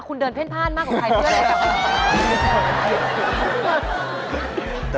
คุณเดินเพ็ญขาดมากกว่าใครเพื่อนหรือแทะ